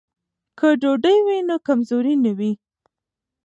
که ډوډۍ وي نو کمزوري نه وي.